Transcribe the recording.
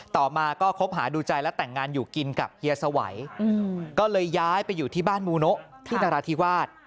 ต่อมาก็คบหาดูใจและแต่งงานอยู่กินกับเฮียสวัยก็เลยย้ายไปอยู่ที่บ้านมูโนะที่นราธิวาส